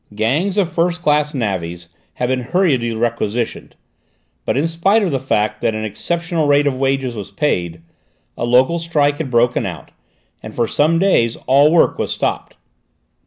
Gangs of first class navvies had been hurriedly requisitioned, but in spite of the fact that an exceptional rate of wages was paid, a local strike had broken out and for some days all work was stopped.